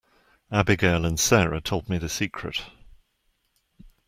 Abigail and Sara told me the secret.